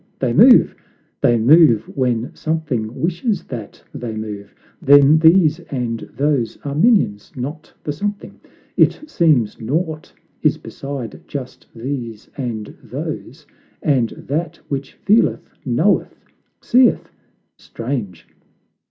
they move; 22 the Divine enchantment They move when Something wishes that they move; Then these and those are minions, not the Something! It seems naught is beside just these and those And that which feeleth, knoweth, seeth; strange!